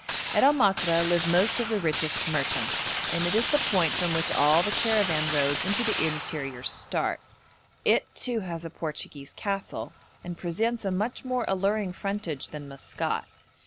At El Matra live most of the richest merchants, and it is the point from which all the caravan roads into the interior start; it, too, has a Portuguese castle, and presents a much more alluring frontage than Maskat.